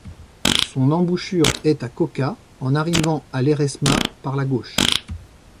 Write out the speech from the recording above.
Son embouchure est à Coca, en arrivant à l'Eresma par la gauche.